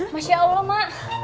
masya allah mak